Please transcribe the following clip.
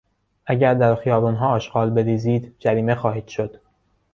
اگر در خیابانها آشغال بریزید، جریمه خواهید شد.